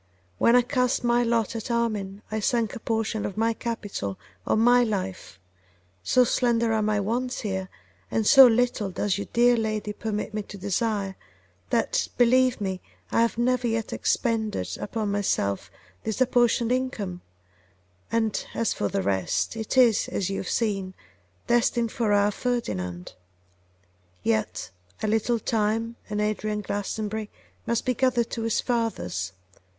When I cast my lot at Armine I sank a portion of my capital on my life; so slender are my wants here, and so little does your dear lady permit me to desire, that, believe me, I have never yet expended upon myself this apportioned income; and as for the rest, it is, as you have seen, destined for our Ferdinand. Yet a little time and Adrian Glastonbury must be gathered to his fathers.